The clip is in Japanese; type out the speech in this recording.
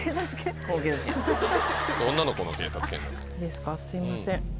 すいません。